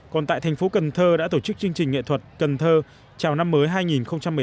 còn tại thành phố cần thơ đã tổ chức chương trình nghệ thuật cần thơ chào năm mới hai nghìn một mươi tám